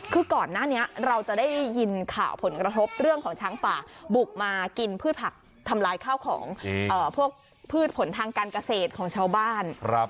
คือก่อนหน้านี้เราจะได้ยินข่าวผลกระทบเรื่องของช้างป่าบุกมากินพืชผักทำลายข้าวของพวกพืชผลทางการเกษตรของชาวบ้าน